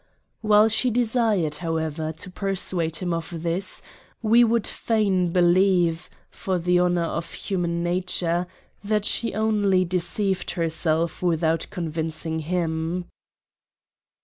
While she desired, however, to persuade him of this, we would fain believe, for the honour of human nature, that she only deceived herself without convincing him.